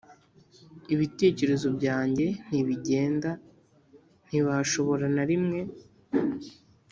ibitekerezo byanjye ntibigenda; ntibashobora na rimwe,